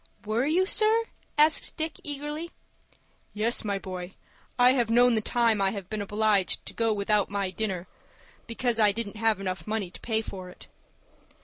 "Were you, sir," asked Dick, eagerly. "Yes, my boy, I have known the time I have been obliged to go without my dinner because I didn't have enough money to pay for it."